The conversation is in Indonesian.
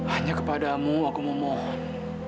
hanya kepadamu aku memohon